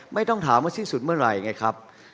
ไม่ต้องถามว่าสิ้นสุดเมื่อไหร่ไงครับ